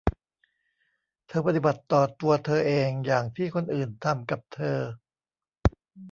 เธอปฏิบัติต่อตัวเธอเองอย่างที่คนอื่นทำกับเธอ